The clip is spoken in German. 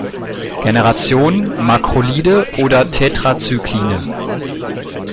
Generation, Makrolide oder Tetracycline.